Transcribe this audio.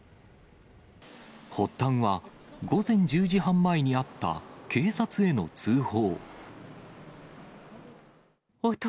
発端は、午前１０時半前にあった警察への通報。